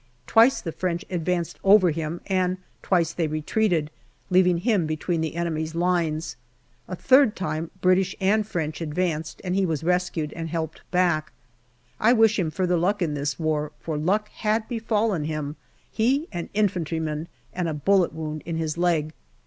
Twice the French advanced over him, and twice they retreated, leaving him between 54 GALLIPOLI DIARY the enemy's lines. A third time British and French ad vanced, and he was rescued and helped back. I wish him further luck in this war, for luck had befallen him he an infantryman and a bullet wound in his leg.